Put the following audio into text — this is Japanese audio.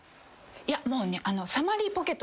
いやもうね。